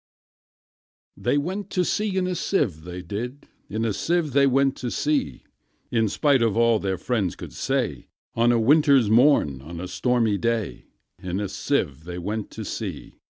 They went to sea in a sieve, they did; In a sieve they went to sea: In spite of all their friends could say, On a winter's morn, on a stormy day, In a sieve they went to sea.